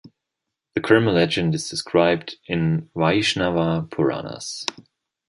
The Kurma legend is described in Vaishnava Puranas.